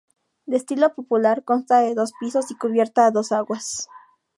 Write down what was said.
De estilo popular, consta de dos pisos y cubierta a dos aguas.